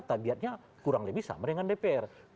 tabiatnya kurang lebih sama dengan dpr